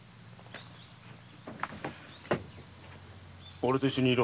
俺と一緒にいろ。